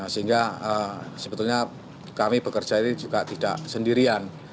sehingga sebetulnya kami bekerja ini juga tidak sendirian